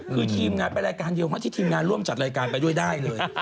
คือทีมงานไปรายการเดียวไหมที่ทีมงานร่วมจัดรายการไปด้วยได้เลย